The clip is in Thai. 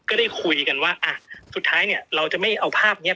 ก็ได้คุยกันว่าอ่ะสุดท้ายเนี่ยเราจะไม่เอาภาพเนี้ย